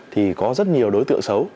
thì có rất nhiều đối tượng xấu